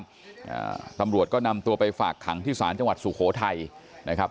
อ่าตำรวจก็นำตัวไปฝากขังที่ศาลจังหวัดสุโขทัยนะครับ